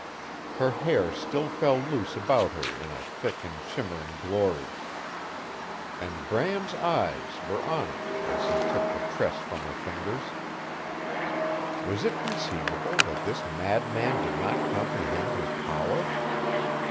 Her hair still fell loose about her in a thick and shimmering glory. And BRAM'S EYES WERE ON IT AS HE TOOK THE TRESS FROM HER FINGERS! Was it conceivable that this mad man did not comprehend his power!